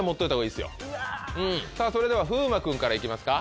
さぁそれでは風磨君から行きますか。